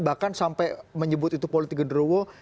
bahkan sampai menyebut itu politik gederowo